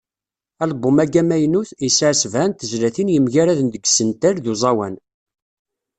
Album-agi amaynut, yesɛa sebεa n tezlatin yemgaraden deg yisental d uẓawan.